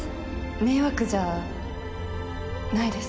迷惑じゃないです